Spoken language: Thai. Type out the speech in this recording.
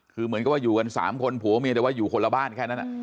คือเหมือนกับว่าอยู่กัน๓คนผัวเมียแต่ว่าอยู่คนละบ้านแค่นั้น